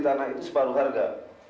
tanah itu separuh harga